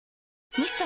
ミスト？